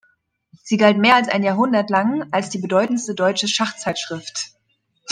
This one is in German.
Sie galt mehr als ein Jahrhundert lang als die bedeutendste deutsche Schachzeitschrift.